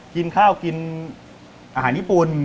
กินข้าวกินอาหารญี่ปุ่น